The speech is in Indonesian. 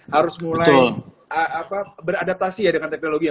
harus mulai beradaptasi ya dengan teknologi ya